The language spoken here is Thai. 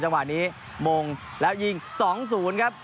จังหวะนี้มงแล้วยิง๒๐ครับ